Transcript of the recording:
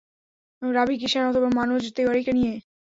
রাভি কিষাণ অথবা মানোজ তিওয়ারিকে নিয়ে।